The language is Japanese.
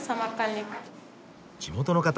地元の方。